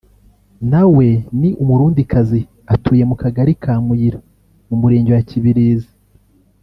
na we ni Umurundikazi atuye mu kagari ka Muyira mu murenge wa Kibirizi